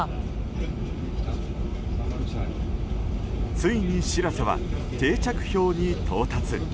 ついに「しらせ」は定着氷に到達。